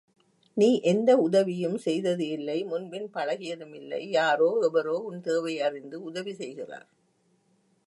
நீ எந்த உதவியும் செய்தது இல்லை முன்பின் பழகியதும் இல்லை யாரோ எவரோ உன் தேவையை அறிந்து உதவிசெய்கிறார்.